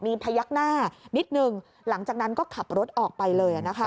มีพยักหน้านิดนึงหลังจากนั้นก็ขับรถออกไปเลย